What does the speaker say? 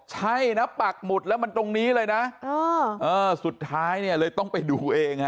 ใช่นะปักหมุดแล้วมันตรงนี้เลยนะสุดท้ายเนี่ยเลยต้องไปดูเองฮะ